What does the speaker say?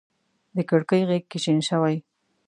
د کړکۍ غیږ کي شین شوی